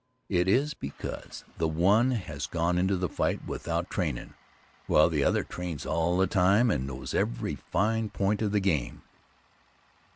It is because the one has gone into the fight without trainin', while the other trains all the time and knows every fine point of the game.